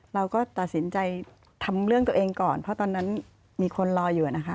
เราก็ตัดสินใจทำเรื่องตัวเองก่อนเพราะตอนนั้นมีคนรออยู่นะคะ